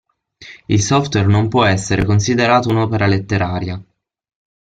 Il software non può essere considerato un'opera letteraria.